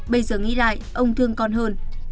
bây giờ nghĩ lại ông thương con hơn